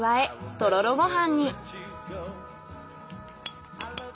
とろろご飯。